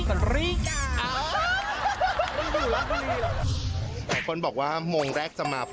ทุกวันนี้หนูไม่ใช่ตัวเองรักษาหนูเป็นคนนั้น